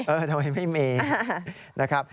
ทำไมไม่มีนะครับ